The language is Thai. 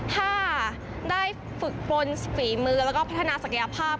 ถ้าได้ฝึกปนฝีมือแล้วก็พัฒนาศักยภาพ